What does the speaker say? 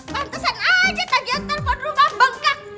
pantesan aja tadi yang telepon rumah bengkak